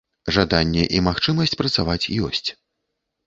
Жаданне і магчымасць працаваць ёсць.